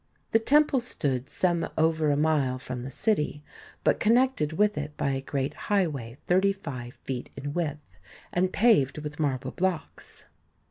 The temple stood some over a mile from the city, but connected with it by a great highway thirty five feet in width, and paved with marble blocks.